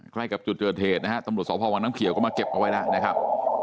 ใกล้กับจุดเกิดเหตุนะฮะตำรวจสพวังน้ำเขียวก็มาเก็บเอาไว้แล้วนะครับ